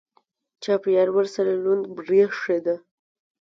چاپېریال ورسره لوند برېښېده.